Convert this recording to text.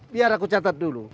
biar aku catat dulu